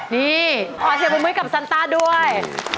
นี่อ่อนเสียบมื้อกับซัลต้าด้วย